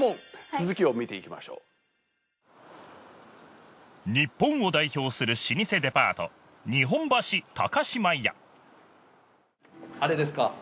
続きを見ていきましょう日本を代表する老舗デパートあれですか？